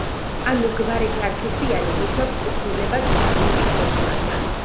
ანუ გვარი „სარქისიანი“ ნიშნავს კუთვნილებას სარქისის მოდგმასთან.